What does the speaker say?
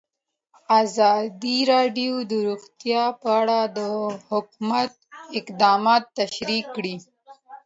ازادي راډیو د روغتیا په اړه د حکومت اقدامات تشریح کړي.